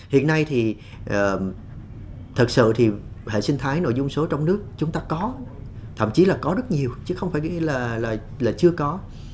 hiện nay thật sự hệ sinh thái nội dung số trong nước chúng ta có thậm chí là có rất nhiều chứ không phải là chưa có